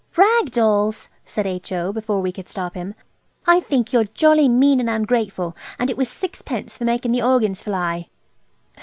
"Rag dolls!" said H.O., before we could stop him. "I think you're jolly mean and ungrateful; and it was sixpence for making the organs fly."